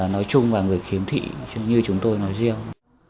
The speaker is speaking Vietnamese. nói chung và người khiếm thị như chúng tôi nói riêng